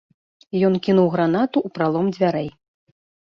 Ён кінуў гранату ў пралом дзвярэй.